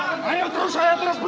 ayo terus saya terus mencari dulu